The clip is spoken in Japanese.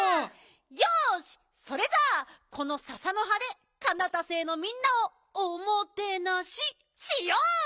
よしそれじゃあこのササのはでカナタ星のみんなをおもてなししよう！